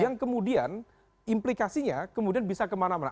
yang kemudian implikasinya kemudian bisa kemana mana